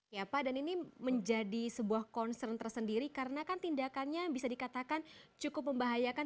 ya pak dan ini menjadi sebuah concern tersendiri karena kan tindakannya bisa dikatakan cukup membahayakan